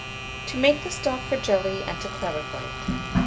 TO MAKE THE STOCK FOR JELLY, AND TO CLARIFY IT.